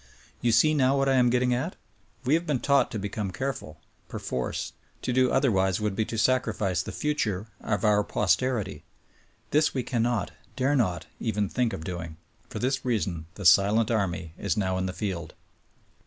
You see. now what I am getting at? We have been taught to be come careful, perforce; to do otherwise v/ould be to sacrifice the future of our posterity ; this we cannot, dare not even think of doing. For this reason the silent army is now in the field.